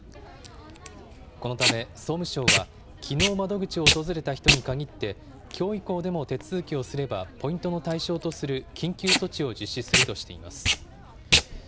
このため、総務省は、きのう窓口を訪れた人に限って、きょう以降でも手続きをすれば、ポイントの対象とする緊急措置を実施するとしています。